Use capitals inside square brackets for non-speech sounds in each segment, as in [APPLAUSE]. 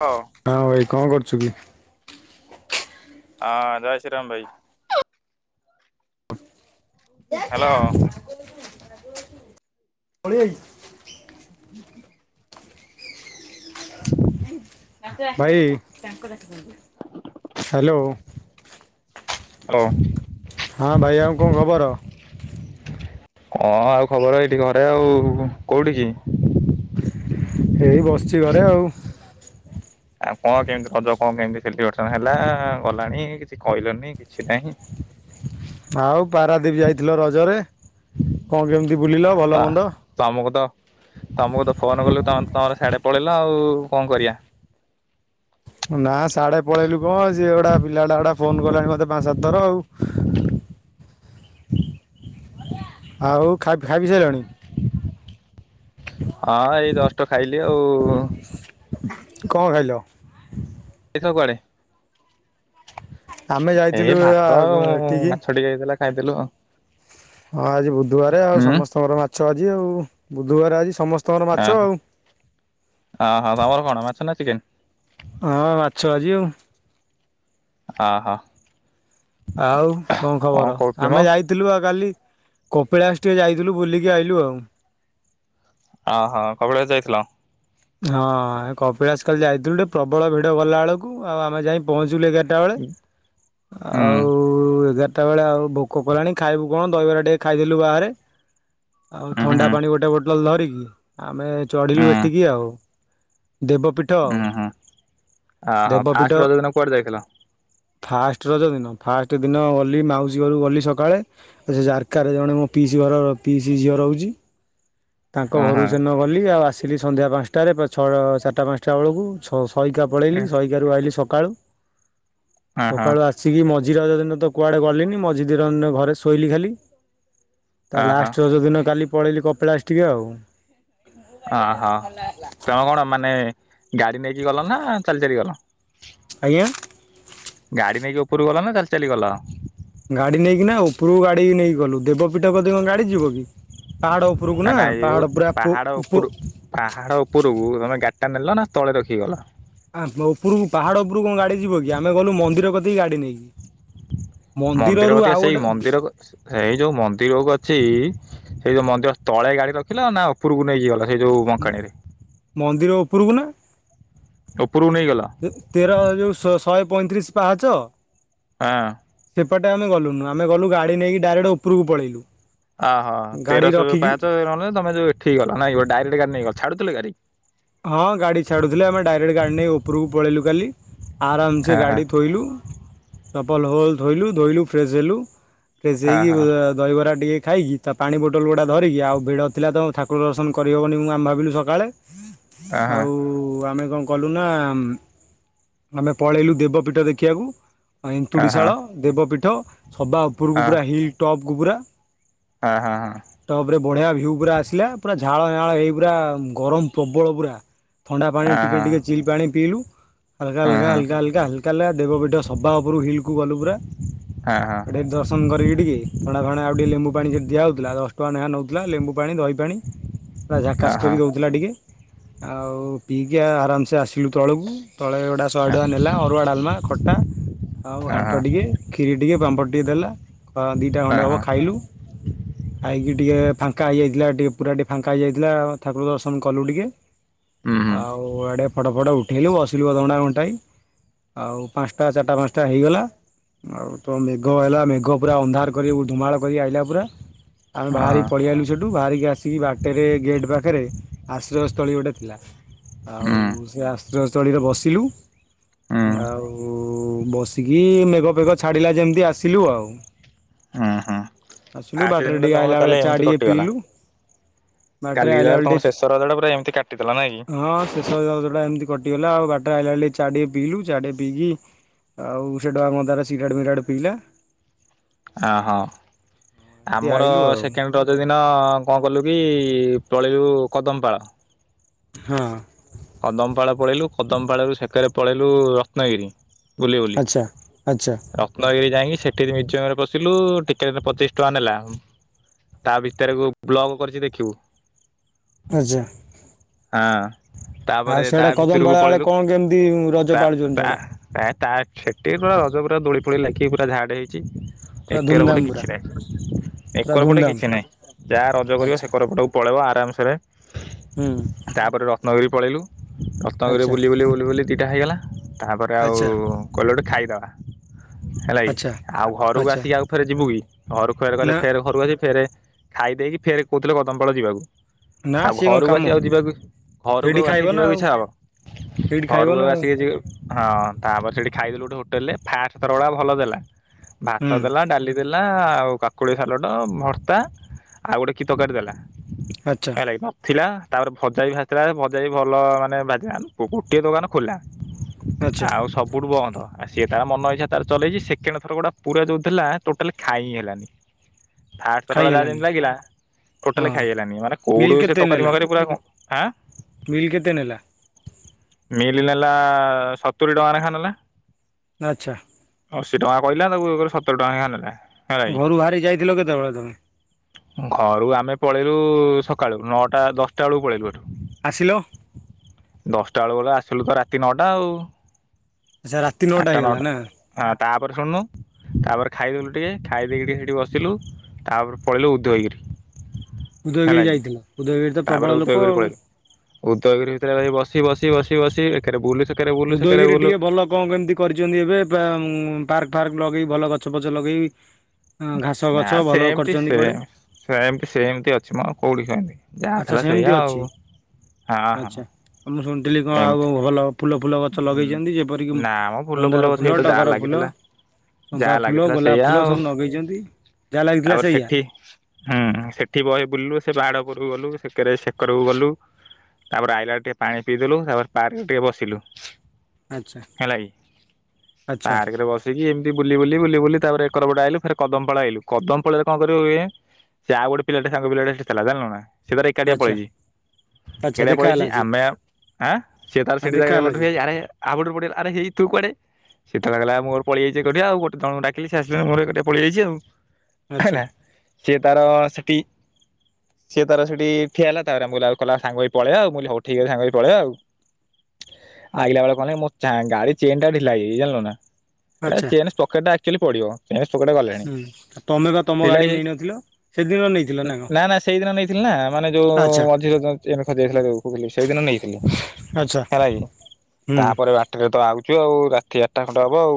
Hello ହଁ ଭାଇ କଣ କରୁ? [UNINTELLIGIBLE] ଆ ଜୟ ଶ୍ରୀରାମ ଭାଇ। ହ୍ୟାଲୋ। ପଳିଆଇ ଭାଇ [INAUDIBLE] ହ୍ୟାଲୋ। ହଁ। ହଁ ଭାଇ ଆଉ କଣ ଖବର? କଣ ଆଉ ଖବର ଏଇଠି ଘରେ ଆଉ କୋଉଠି କି? ଏଇ ବସିଛି ଘରେ ଆଉ। ଆଉ କଣ କେମିତି ରଜ କଣ କେମତି ସେଲିବ୍ରେସନ ହେଲା ଆ ଗଲାଣି କିଛି କହିଲନି କିଛି ନାହିଁ। ଆଉ ପାରାଦୀପ ଯାଇଥିଲ ରଜରେ କଣ କେମ ତା ତ ତମକୁ ତ ତମକୁ ତ ଫୋନ କଲେ ତମେ ତମର ସିଆଡେ ପଳେଇଲ ଆଉ କଣ କରିବା? ନା ସିଆଡେ ପଳେଇଲୁ କଣ ସିଏ ଗୁଡା ପିଲା ଗୁଡା ଫୋନ କଲେଣି ମତେ ପାଞ୍ଚ ସାତ ଥର ଆଉ, [INAUDIBLE] ଆଉ ଖାଇ ପିଇ ସାରିଲଣି? ହଁ ଏଇ ଜଷ୍ଟ ଖାଇଲି। ଲି ଆଉ କଣ ଖାଇଲ? ତୁ କୁଆଡ଼େ? [INAUDIBLE] ଆମେ ଯାଇଥିଲୁ ଆ ଏଠିକି। ଖାଇ ଦେଲୁ ଆଉ। [INAUDIBLE] ହଁ ଆଜି ବୁଧବାର ଆଉ ହୁଁ ସମସ୍ତଙ୍କର ମାଛ ଆ ଆଜି ଆଉ ବୁଧବାର ଆଜି ସମସ୍ତ ଆଁ ହଁ [INAUDIBLE] ଆ ଅହ, ତମର କଣ ମାଛ ନାଁ ଚିକେନ୍? ଛ ଆଜି ଆଉ। ଆହଃ ଆଉ କଣ ଖବର, ମ ଆମେ ଯାଇଥିଲୁ ବା କାଲି। କପିଳାସ ଟିକେ ଯାଇଥିଲୁ ବୁଲିକି ଆଇଲୁ ଆଉ। ଅହଃ କପିଳାସ ଯାଇଥିଲ? ହଁ ହେ କପିଳାସ କାଲି ଯାଇଥିଲୁ ଟେ ପ୍ରବଳ ଭିଡ ଗଲା ଏଳୁକୁ। ଆଉ ଆମେ ଯାଇ ପହଞ୍ଚିଲୁ ଏଗା ଟା [INAUDIBLE] ବେଳେ ହୁଁ ଆଉ ହୁଁ ଏଗାର ତାବେଳେ ଆଉ ଭୋକ କଲାଣି ଖାଇବୁ କଣ ଦହିବରା ଟିକେ ଖାଇଦେଲୁ ବାହାରେ। ଆଉ ହୁଁ ଥଣ୍ଡା ପାଣି ଗୋଟେ ବୋଟଲ ଧିରି ଆମେ ଚଢିଲୁ ହୁଁ। ଏଠିକି ଆଉ। ହୁଁ। ଉଁ ହୁଁ [INAUDIBLE] ଆହ ଦେବପୀଠ ଫାଷ୍ଟ ରଜ ଦିନ କୁଆଡ଼େ ଯାଇଥିଲ? ଟ୍ ରଜ ଦିନ ଫାଷ୍ଟ ଦିନ ଗଲି ମାଉସୀ ଘରୁକୁ ଗଲି ସକାଳେ। ଏ ସେ ଜାରକାରେ ଜଣେ ମୋ ପିଇସି ଘର ପିଇସି ଝିଅ ରହୁଚି। ତାଙ୍କ ଉଁ ଘରୁ ହୁଁ ସେନ ଗଲି। ଆଉ ଆସି ଥିଲି ସନ୍ଧ୍ୟା ପାଁଶଟାରେ ପା ଛଅ ଚାରିଟା ପାଞ୍ଚଟା ଅଳୁକୁ ଛଅ ହଇକା ପଳେଇଲି ଉଁ ସଇକାରୁ ଆଇଲି ସ ସକାଳୁ [INAUDIBLE] ହୁଁ ସକାଳୁ ଆସିକି ମ ଝି ରଜ ଦିନ ତ କୁଆଡ଼େ ଗଲିନି ମଝି ଦିରନ ଘରେ ଶୋଇଲି ଖାଲି। ତା ଅହୋ ଲାଷ୍ଟ ରଜ ଦିନ କାଲି ପଳେଇଲି କପିଳାସ ଟିକେ ଆଉ। ଅହ ତମେ କଣ ମାନେ ଗାଡ଼ି ନେଇକି ଗଲ ନାଁ ଚାଲି ଚାଲି ଗଲ? ଆଜ୍ଞା ଗାଡ଼ି ନେଇକି ଉପୁରୁ ଗଲ ନାଁ ତାଲି ଚାଲିଗଲ? ଗାଡ଼ି ନେଇକି ନାଁ ଉପରୁକୁ ଗାଡ଼ି ନେଇକି ଗଲୁ। ଦେବପୀଠ କତିକି କଁ ଗାଡ଼ି ଯିବ କି? ପାହାଡ଼ ଉପରକୁ ନାଁ ନା ନାଁ ଏଇ ପାହାଡ଼ ଯୋଉ ପୁରା ପାହାଡ଼ ଉପରୁ ପାହାଡ଼ ଉପରକୁ ତମେ ଗା ନେଲ ନାଁ ତଳେ ରଖିକି ଗଲ? ହଁ ଓପୁରୁକୁ ପାହାଡ଼ ଓପୁରୁ କଁ ଗାଡ଼ି ଯିବ କି? ଆମେ ଗଲୁ ମନ୍ଦିର କ ଇ ଗାଡ଼ି ନେଇକି। ମନ୍ଦିର ମନ୍ଦିରରୁ କତିକି ଆଉ ସେଇ ଗୋଟେ ମନ୍ଦିର କ ସେଇ ଯୋଉ ମନ୍ଦିରକୁ ଅଛି ସେଇ ଯୋଉ ମନ୍ଦିର ତଳେ ଗାଡ଼ି ରଖିଲ ନାଁ ଓପୁରୁକୁ ନେଇକି ଗଲ? ଏଇ ଯୋଉ ବଙ୍କାଣିରେ ପୁରୁକୁ ନାଁ। [UNINTELLIGIBLE] ତେ ତେର ଯୋଉ ଶ ଶହେ ପଇଁତିରିଶ। ପାହାଚ ହଁ, ସେପଟେ ଆମେ ଗଲୁ ନୁ ଆମେ ଗଲୁ ଗାଡି ନେଇି ଡାଇରେକ୍ଟ ଉପରକୁ ପଳେଇଲୁ। ଆହ ଗାଡ଼ି ତେରଶହ ଯୋଉ ରଖିକି ପାହାଚ ନହେନେ ତମେ ଯୋଉ ଏଠିକି ଗଲ ନାଁ ଗୋଟେ ଡାଇରେକ୍ଟ ଗାଡି ନେଇଗଲ ଛାଡୁଥିଲେ ଗାଡି? ହଁ ଗାଡ଼ି ଛାଡୁଥିଲେ ଆମେ ଡାଇରେକ୍ଟ ଗାଡ଼ି ନେଇ ଉପୁରୁକୁ ପଳେଇଲୁ କାଲି। ଆରାମ୍ ସେ ଗାଡି ଫାଷ୍ଟ ଥୋଇଲୁ। ଚପଲ ଫପଲ ଥୋଇଲୁ ଧୋଇଲୁ ଫ୍ରେଶ ହେଲୁ। ସେଇକି ଦହିବରା ଟିକେ ଖାଇକି ତା ପାଣି ବୋଟଲ ଗୁଡ଼ା ଧରିକି ଆଉ ଭିଡ଼ ଥିଲା ତ ଠାକୁର ଦର୍ଶନ କରିହେବନି ମୁଁ ଆମେ ଭାବିଲୁ ସକାଳେ ଆଉ ଆମେ କଣ କଲୁ ନା ଆମେ ପଳେଇଲୁ ଦେବପୀଠ ଦେଖିୟାକୁ। ଏନ୍ତୁଡ଼ିଶାଳ ଦେବପୀଠ ସବା ଉପରକୁ ପୁରା ହିଲ୍ ଟପ୍। କୁବୁରା ଟପ୍ ରେ ବଢିଆ ଭିୟୁ ପୁରା ଆସିଲା ପୁରା ଝା ଝାଳ ନାଳ ହେଇ ପୁରା ଗରମ ପ୍ର ବଳ ପୁରା। ଥଣ୍ଡା ପାଣି ଟିକେ ଟିକେ ଚିଲ୍ ପାଣି ପିଇଲୁ। ହାଲକା ହଲକା ହଲକା ହଲକା ହାଲକା ହଲକା ଦେବପୀଠ ସଭବା ଉପରୁ ହିଲ୍ କୁ ଗଲୁ ପୁରା। ହେଠିକି ଦର୍ଶନ କରିକି ଟିକେ ଥଣ୍ଡା ଥଣ୍ଡା ଆଉ ଟିକିେ ଲେମ୍ବୁ ପାଣି ଯେ ଦିଆହଉଥିଲା। ର ଟଙ୍କା ଲେଖା ନେଉଥିଲା ଲେମ୍ବୁ ପାଣି ଦହି ପାଣି, ପୁରା ଝାକାସ୍ କରି ଦଉଥିଲା ଟିକେ। ଆଉ ପିଇକି ଆରାମସେ ଆସିଲୁ ତଳକୁ। ତଳେ ଗୁଟା ଶହେ ଟଙ୍କା ନେଲା, ଅରୁଆ, ଡାଲମା, ଖଟା ଆଉ ଘାଣ୍ଟ ଟିକେ କ୍ଷୀରି ଟିକେ ପାମ୍ପଡ଼ ଟିକେ ଦେଲା। ଅ ଦିଟା ଖଣ୍ଡେ ହବ ଖାଇଲୁ। ଖାଇକି ଟିକେ ଫାଙ୍କା ହେଇଯାଇଥିଲା ଟିକେ ପୁରା ଟିକେ ଫାଙ୍କା ହେଇଯାଇଥିଲା ଠାକୁର ଦର୍ଶନ କଲୁ ଟିକେ। ଆଉ ଆଡେ ଫଟ ଫଟ ଉଠେଇଲୁ ବସିଲୁ ଅଧଘଣ୍ଟା ଘଣ୍ଟାଏ। ଆଉ ପାଞ୍ଚଟା ଚାରିଟା ପାଞ୍ଚଟା ହେଇଗଲା। ଆଉ ତ ମେଘ ହେଲା ମେଘ ପୁରା ଅନ୍ଧାର କରି ଉଧୁମାଳ କରିକି ଆଇଲା ପୁରା। ଆମେ ବାହାରି ପଳିଆଇଲୁ ସେଟୁ। ବାହାରିକି ଆସିକି ବାଟରେ ଗେଟ ପାଖରେ ଆଶ୍ରୟ ସ୍ଥ ତଳୀ ଗୋଟେ ଥିଲା। ଆଉ ସେ ଆଶ୍ରୟସ୍ଥଳୀରେ ବସିଲୁ। ଆଉ ବସିକି ମେଘଫେଗ ଛାଡ଼ିଲା ଯେମିତି ଆସିଲୁ ଆଉ। ଆସିଲୁ ଫାଷ୍ଟ ବାଟରେ ଦିନ ଟିକେ ତମର ଆଇଲା ବେଳେ ତାହେଲେ ଚା ଏମିତି ଟିକେ କଟିଗଲା। ପିଇଲୁ ବାଟରେ କାଲି ଆଇଲା ତାହେଲେ ବେଳେ ତମର ଟିକେ ଶେଷ ରଜଟା ପୁରା ଏମି ହଁ ଶେଷରଜ ଟା ହେମିତି କଟ ଟି ହେଲା ଆଉ ବାଟରେ ଆଇଲା ବେଳେ ଚା ଟିକେ ପିଇଲୁ, ଚା ଟିକେ ପିଇକି ଆଉ ସେଟା ଆମର ତାରେ ସିଗାରେଟ ପିଗାରେଟ ପିଇଲା। ଆ ହଁ। ଏମିତି ଆମର ଆଇଲୁ ଆଉ। ସେକେଣ୍ଡ ରଜରେ ଦିନ କଣ କଲୁ କି ପଳେଇଲୁ କଦମପାଳ। ହଁ। କଦମପାଳ ପଳେଇଲୁ। କଦମପାଳରୁ ସେକାରେ ପଳେଇଲୁ ରତ୍ନଗିରି। ବୁଲି ବୁଲି ଆଚ୍ଛା ଆଚ୍ଛା ରତ୍ନଗିରି ଯାଇଁକି ସେଠିରେ ମ୍ୟୁଜିୟମରେ ପଶିଲୁ ଟିକେଟ୍ ପଚିଶ ଟଙ୍କା ନେଲା। ତା ଭିତରେକୁ ବ୍ଲଗ କରିଛି ଦେଖିବୁ। ଆଚ୍ଛା ହାଁ। ଆଉ ତାପରେ ତା ସିଆଡ଼େ କଦମ ପାଳ ଭିତରକୁ ଆଡ଼େ ପଳେଇଲୁ। କଣ କେମିତି ରଜ ତା ପାଳୁଛନ୍ତି ତା ସିଆଡ଼େ ଏ ତା ସେଟି କଣ ପୁରା ଦୋଳି ଫୋଳି ଲାଖିକି ପୁରା ଝାଡ ହେଇଚି। ପୁରା ଏକର ପଟେ ଧୁମଧାମ କିଛି ପୁରା ନାହିଁ। ପୁରା ଏକର ପଟେ ଧୁମଧାମ କିଛି ନାହିଁ। ଯାହା ରଜ କରିବ ଆଚ୍ଛା ସେକର ପଟକୁ ପଳେଇବ ଆ ଟମ୍ ସେରେ ହୁଁ ତାପରେ ରଖ ନଗରୀ ପଳେଇଲୁ। ରତାଗରେ ଆଚ୍ଛା ବୁଲି ବୁଲି ବୁଲି ବୁଲି ଦିଇଟା ହେଇଗଲା। ତାପରେ ଆଉ ଆଚ୍ଛା କହିଲୁ ଗୋଟେ ଖାଇଦେବା। ହେଲା କି। ଆଚ୍ଛା ଆଉ ଘରକୁ ଆଚ୍ଛା ଆସିକି ଆଉ ଥରେ ଯିବୁ କି? ଘରୁ କୁଆଡ଼େ ଗଲେ ନା ଫେରେ ଘରୁ ଅଛି ଫେରେ ଖାଇ ଦେଇକି ଫେରେ କହୁଥିଲେ କଦମପାଳ ଯିବାକୁ। ନା ଆଉ ସିଏ କଣ ଘରକୁ କାମ ଆସି ଆଉ ଯିବା କି ସେଇଠି ଘରକୁ ଖାଇବ ଆସିକି ନା ଯିବାକୁ ଆଉ। ଇଚ୍ଛା ହବ। ସେଇଠି ଖାଇବ ଘରକୁ ନା ଆଉ ଆସିକି ଯିବା ହଁ ତାପରେ ସେଇଠି ଖାଇଦେଲୁ ହୋଟେଲରେ ଫାର୍ଷ୍ଟ ଥର ଭଳିଆ ଭଲ ଦେଲ। ଭାତ ହୁଁ ଦେଲା ଡାଲି ଦେଲା ଆଉ ଆଉ କାକୁଳି ସାଲଡ଼ ଭର୍ତ୍ତା ଆଉ ଗୋଟେ କି ତରକାରୀ ଦେଲା। ଆଚ୍ଛା ହେଲ ଭାବଥିଲା [UNINTELLIGIBLE] ତାପରେ ଭଜା ଭି ଭା ସେ ଟା ବି ଭଜାଇ ଭଲ ମାନେ ଭାଜିଲା ନି ଗୋଟିଏ ଦୋକାନ ଖୋଲା। ଆଚ୍ଛା ଆଉ ସବୁଠୁ ବନ୍ଦ। ଆଉ ସିଏ ତା ମନ ଇଚ୍ଛା ତାର ଚଲେଇଛି ସେକେଣ୍ଡ ଥର ଗୁଟା ପୁରା ଯେଉଁ ଥିଲା ଟୋଟାଲ ଖାଇ ହିଁ ହେଲାନି। ଖାଇ ଫାର୍ଷ୍ଟଥରଟା ଯାହା ହେଲାନି ଯେମିତି ଲାଗିଲା ଟୋଟାଲି ହଁ ଖାଇ ହେଲାନି ମାନେ କୋଉଠୁ ସେ ତରକାରୀ ଫରକାରୀ ପୁରା କଣ ଆଁ ବିଲ୍ କେତେ ନେଲା? ମିଲ୍ ନେଲା ସତୁୁରୀ ଟଙ୍କା ଲେଖା ନେଲା। ଆଚ୍ଛା। ଅଶୀ ଟଙ୍କା କହିଲା ତାକୁ ସତୁରି ର ଟଙ୍କା ନେଖା ନେଲା। ହେଲା କି ଘରୁ ବାହାରି ଯାଇଥିଲ କେତେବେଳେ ତମେ? ଘରୁ ଆମେ ପଳେଇଲୁ ସକାଳୁ ନଅଟା ଦଶଟା ବେଳକୁ ପଳେଇଲୁ ଏଠୁ। ଆସିଲ ଦଶଟା ବେଳ ଗଲେ ଆସ ଶଲୁ ତ ରାତି ନଅଟା ଆଉ । ଆଚ୍ଛା ରାତି ନଅଟା ଆଠଟା ହେଇଗଲା ନା ନଅଟା ତାପରେ ଶୁଣୁନୁ ତାପରେ ଖାଇଦେଲୁ ଟିକେ ଖାଇ ଦେଇକି ଟିକେ ସେଇଠି ବସିଲୁ ତାପରେ ପଳେଇଲୁ ଉଦୟଗିରି ହେଲା ଉଦୟଗିରି କି ଯାଇଥିଲା ଉଦୟଗିରି ତ ତାପରେ ପ୍ରବଳ ଲୋକ ଉଦୟଗିରି ଆଉ। ପଳେଇଲୁ। ଉଦୟଗିରି ଭିତରେ ଭାଇ ବସି ବସି ବସି ବସି ଏକରେ ବୁଲୁ ସେକରେ ବୁଲୁ ସେକରେ ଉଦୟଗିରି ବୁଲୁ। ଟିକେ ଭଲ କଣ କେମିତି କରିଛନ୍ତି ଏବେ ପାର୍କ ଫାର୍କ ଲଗେଇ ଭଲ ଗଛ ଫଛ ଲଗେଇ ଘାସ ନା ଗଛ ଭଲ ସେମତି କରିଛନ୍ତି ସେ କୁଆଡେ ସେମତି ସେମତି ଅଛି ମ କୋଉଠି କାଇଁ ଆଚ୍ଛା ଯାହାଥିଲା ସେମିତି ସେଇଆ ଅଛି ଆଉ ହଁ ହଁ। ଥିଲି କଣ ସେମତି ଆଉ ଭଲ ଫୁଲ ଫୁଲ ଗଛ ହୁଁ ଲଗେଇଛନ୍ତି ଯେପରିକି ନା ମ ଫୁଲ ମନ୍ଦାର ଫୁଲ ଗଛ ସେଇତ ଯାହା ଟଗର ଫୁଲ ଲାଗିଥିଲା ଚମ୍ପା ଯାହା ଫୁଲ ଲାଗିଥିଲା ଗୋଲାପ ସେଇଆ ଫୁଲ ଆଉ ସବୁ ଲଗେଇଛନ୍ତି। ଯାହା ଲାଗିଥିଲା ତାପରେ ସେଇଆ ସେଠି ହୁଁ ସେଠି ବହେ ବୁଲିଲୁ ସେ ପାହାଡ ଉପରେ ସେପଟକୁ ଗଲୁ ସେକରେ ସେକରକୁ ଗଲୁ ତାପରେ ଆଇଲା ବେଳେ ଟିକେ ପାଣି ପିଇଦେଲୁ ତାପରେ ପାର୍କ ରେ ଟିକେ ବସିଲୁ । ଆଚ୍ଛା ହେଲା କି ଆଚ୍ଛା ପାର୍କରେ ବସିକି ଏମିତି ବୁଲି ବୁଲି ବୁଲି ବୁଲି ତାପରେ ଏକର ପଟେ ଆଇଲୁ ଫେରେ କଦମପାଳ ଆଇଲୁ କଦମପାଳରେ କଣ କରିବୁ କେଜାଣି ସେ ଆଉ ଗୋଟେ ପିଲାଟେ ସାଙ୍ଗ ପିଲାଟେ ସେଠି ଥିଲା ଜାଣିଲୁ ନା ସେ ତାର ଏକାଟିଆ ଆଚ୍ଛା ପଳେଇଛି ଆଚ୍ଛା ଏକାଟିଆ ଦେଖା ହେଲା ପଳେଇଛି ଆଜି ଆମେ ଆଁ ସେ ତାର ସେଇଠି ଦେଖା ଜାଗାରେ ହେଲା ଆଜି ଆରେ ହାବୁଡ଼ରେ ପଡ଼ିଗଲା ଆରେ ହେଇ ତୁ କୁଆଡେ? ସେତ ଲାଗିଲା ମୋର ପଳେଇ ଆଇଛି ଏକୁଟିଆ ଆଉ ଜଣକୁ ଡାକିଲି ସେ ଆସିଲାନି ମୋର ଏକୁଟିଆ ପଳେଇ ଆଇଛି ଆଉ । ଆଚ୍ଛା। ସିଏ ତାର ସେଠି ସିଏ ତାର ସେଠି ଠିଆ ହେଲା ତାପରେ ମୁଁ କହିଲା ସାଙ୍ଗ ପଳେଇଆ ଆଉ ମୁଁ ହଉ ଠିକ ସାଙ୍ଗ ପଳେଇଆ ଆଉ ଆଇଲା ବେଳେ କଣ ହେଲା କି ମୋ ଗାଡି ଚେନ୍ ଟା ଢିଲା ହେଇଯାଇଛି ଜାଣିଲ ନା ଆ ଆଚ୍ଛା ଚେନ ସକେଟଟା ଖିଲି ପଡ଼ିବ। ଏ ସକେଟ ଗଲାଣି ହୁଁ ତମେ ବା ତମ ଢିଲା ଗାଡି ହେଇଯାଇଛି ନେଇନଥିଲ ସେଦିନ ନେଇଥିଲ କଣ? ନା ନା ସେଇଦିନ ନେଇଥିଲି ନା ମାନେ ଯୋଉ ଆଚ୍ଛା ମଝି ରଜ ଦିନ ଚେନ ଖସିଯାଇଥିଲା ଯୋଉ କହୁଥିଲି ସେଇଦିନ ନେଇଥିଲି ଆଚ୍ଛା ହେଲା କି ହୁଁ ତାପରେ ବାଟରେ ତ ପାଉଛୁ ଆଉ ରାତି ଆଠଟା ଖଣ୍ଡେ ହବ ଆଉ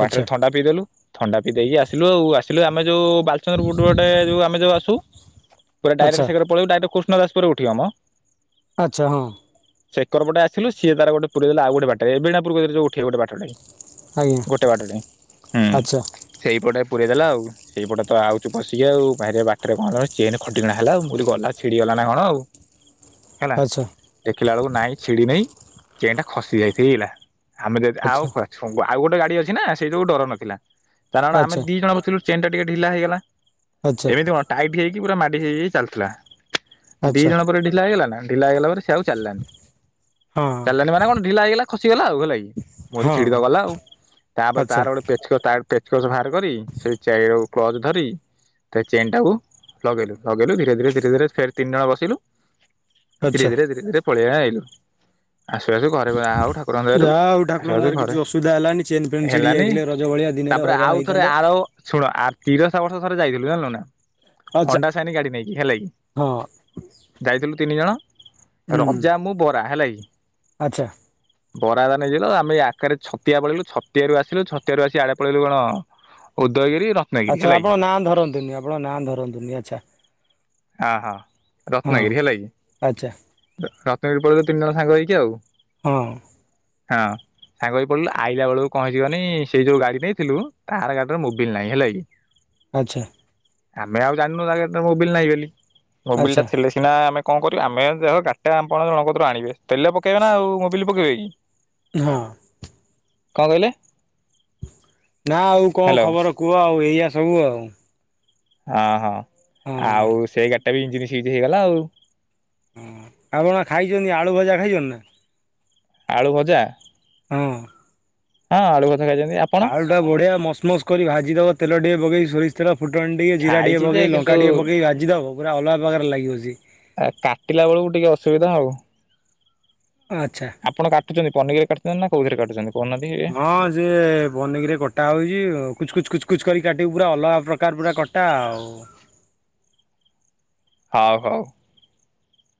ବାଟରେ ଆଚ୍ଛା ଥଣ୍ଡା ପିଇଦେଲୁ ଥଣ୍ଡା ପିଇ ଦେଇକି ଆସିଲୁ ଆଉ ଆସି ଆସିଥିଲୁ ଆମେ ଯୋଉ ବାଲିଚନ୍ଦ୍ରପୁର ପଟେ ଯୋଉ ଆମେ ଯୋଉ ଆସୁ ପୁରା ଆଚ୍ଛା ଡ଼ାଇରେକ୍ଟ ସେକରେ ପଳେଇବୁ ଡ଼ାଇରେକ୍ଟ କୋ କୃଷ୍ଣଦାସପୁରରେ ଉଠିବ ମ ଆଚ୍ଛା ହଁ। ସେକର ପଟେ ଆସିଲୁ ସେ ସିଏ ତାର ଗୋଟେ ପୂରେଇ ଦେଲା ଆଉ ଗୋଟେ ବାଟରେ ଏ ବୀଣାପୁର କତିରେ ଯୋଉ ଉଠି ଠି ଗୋଟେ ବାଟଟେ ଆଜ୍ଞା ଗୋଟେ ବାଟଟେ ହୁଁ ଆଚ୍ଛା ସେଇପଟା ପୁରେଇ ଦେଲା ଆଉ ସେଇପଟେ ତ ଆଉଛୁ ପସିକି ଆଉ ବାହାର ବାଟରେ କଣ ଚେନ ଖଟିକିଣା ହେଲା ମୁ ଗଲା ଛିଡି ଗଲା ନା କଣ ଆଉ ହେଲା ଆଚ୍ଛା ଦେଖିଲା ବେଳକୁ ନାଇଁ ଛିଡି ନେଇହି ଚେନ୍ ଟା ଖସି ଯାଇଥିଲା ଆମେ ଯଦି ଆଉ ଆଚ୍ଛା କୋଉ ଛବୁଆ ଆଉ ଗୋଟେ ଗାଡ଼ି ଅଛି ନା ସେଇଯୋଗୁଁ ଡର ନଥିଲା। କାରଣ ଆମେ ଆଚ୍ଛା ଦି ଜଣ ବସିଥିଲୁ ଚେନ ଟା ଟିକେ ଢିଲା ହେଇଗଲା। ଆଚ୍ଛା ଏମିତି କଣ ଟାଇଟ୍ ହେଇକି ପୁରା ମାଡ଼ି ହେଇ ହେଇ ଚାଲିଥିଲା। ଦି ଆଚ୍ଛା ଜଣ ପରେ ଢିଲା ହେଇଗଲା ନା? ଢ଼ିଲା ହେଇ ଗଲା ପରେ ସେ ଆଉ ଚାଲିଲାନି। ହଁ ଚାଲିଲାନଣି ମାନେ କଣ ଢିଲା ହେଇଗଲା ଖସିଗଲା ଆଉ ହେ ମୋର ହଁ ଛିଡିଦ ଗଲା ଆଉ ତାପରେ ଆଚ୍ଛା ତାର ଗୋଟେ ପେଚ ତ ପେଚକସ ବାହାର କରି ସେଇ ଚାରିର କ୍ଲଜ୍ ଧରି ତା ଚେନ ଟାକୁ ଲଗେଇଲୁ ଲଗେଇଲୁ ଧୀରେ ଧୀରେ ଧୀରେ ଧୀରେ ଫେର୍ ତିନି ଜଣ ବସିଲୁ ଧିରେ ଆଚ୍ଛା ଧିରେ ଧିରେରେ ପଳେଇ ଆଇଲୁ। ହ ଆସିବାସୁ ଘରେ ହଉ ଠାକୁରଙ୍କ ଦାରୁ ଯାହା ଆଉ ଠାକୁରଙ୍କ ଆସିବାସୁ ଦୟାରୁ କିଛି ଘରେ ଅସୁବିଧା ହେଲାନି ଚେନ୍ ଫେନ୍ ଛିଡି ହେଲାନି ଯାଇଥିଲେ ରଜ ଭଳିଆ ଦିନରେ ତାପରେ ହଇରାଣ ଆଉ ଥରେ ହେଇଥାନ୍ତ ଆର ଶୁଣ ଆ ତିରଶା ବର୍ଷ ଥରେ ଯାଇଥିଲୁ ଜାଣିଲୁ ନା ଆଚ୍ଛା ହଣ୍ଡା ସାଇନି ଗାଡ଼ି ନେଇକି ହେଲେ କି ହଁ ଯାଇଥିଲୁ ତିନି ଜଣ । ହୁଁ ରଜା ମୁଁ ବରା ହେଲାକି ହଁ ଆଚ୍ଛା । ବରାଦ ନେଇଥିଲୁ ଆମେ ଆକରେ ଛତିଆ ପଳେଇିଲୁ ଛତିଆରୁ ଆସିଲୁ ଛତିଆରୁ ଆସି ଆଡେ ପଳେଇିଲୁ କଣ ଉ ଉଦୟଗିରି ରତ୍ନଗିରି ଆଚ୍ଛା ହେଲା କି ଆପଣ ନାଁ ଧରନ୍ତୁନି ଆପଣ ନାଁ ଧରନ୍ତୁନି ଆଚ୍ଛା ହଁ ହଁ ହଁ ରତ୍ନଗିରି ହେଲା କି ଆଚ୍ଛା ରତ୍ନଗିରି ପଳେଇଲୁ ତିନିଜଣ ସାଙ୍ଗ ହେଇକ ଆଉ । ହଁ । ହଁ ସାଙ୍ଗ ହେଇପଳିଲୁ ଆଇଲା ବେଳକୁ କଣ ହେଇଚିକନି ସେଇ ଯୋଉ ଗାଡି ନେଇଥିଲୁ ତାର ଗାଡିରେ ମୋବିଲ ନାହିଁ ହେଲା କି । ଆଚ୍ଛା । ଆମେ ଆଉ ଜାଣିନୁ ତା ଗାଡ଼ିରେ ମୋବିଲ ନାଇଁ ବେଲି । ମୋବିଲ ଆଚ୍ଛା ଟା ଥିଲେ ସିନା ଆମେ କଣ କରିବୁ ଆମେ ଜାହଉ ଗାଡିଟା ଆମ ଆପଣ ଜନକ କତିରୁ ଆଣିବେ ତେଲ ପକେଇବେ ନା ଆଉ ମୋବିଲ ପକାଇବେ ହଁ ହଁ । କଣ କହିଲେ? ନା ଆଉ କଣ ହ୍ୟାଲୋ ଖବର କୁହ ଆଉ ଏଇ ଇଆ ସବୁ ଆଉ ହଁ ହଁ। ହଁ ଆଉ ସେଇ ଗାଡ ଡି ଟା ବିି ଇଞ୍ଜିନ ସିଜ୍ ହେଇଗଲା ଆଉ। ହୁଁ ଆପଣ ବା ଖାଇଚନ୍ତି ଆଳୁ ଭଜା ଖାଇଛନ୍ତି ନା। ଆଳୁ ଭଜା । ହଁ। ହଁ ଆଳୁ ଭଜ ଆଳୁ ଟା ବଢିଆ ମସମସ୍ କରି ଭାଜିଦବ ତେଲ ଟିକେ ପକେଇ ସୋରିଷ ତେଲ ଫୁଟଣ ଟିକେ ଜିରା ଟିକେ ଖାଇଛି ଯେ ପକେଇ କିନ୍ତୁ ଲଙ୍କା ଟିକେ ପକେଇ ଭାଜିଦବ ପୁରା ଅଲଗା ପ୍ରକାର ଲାଗିିବ ସେ। କାଟିଲା ବେଳକୁ ଟିକେ ଅସୁବିଧା ଆଉ । ଆଚ୍ଛା । ଟୁଚନ୍ତି ପନିକିରେ କାଟୁଚନ୍ତି ନା କଉଥିରେ କାଟୁଚନ୍ତି? ହଁ ସେ ପନିକିରେ କଟା ହଉଛି କୁଚ୍ କୁଚୁ କୁଚ୍ କୁଚ କରି କାଟିବୁ ପୁରା ଅଲଗା ପ୍ରକାର ପୁରା କଟା ଆଉ ହଉ ହଉ ।